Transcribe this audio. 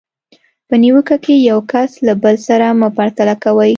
په نیوکه کې یو کس له بل سره مه پرتله کوئ.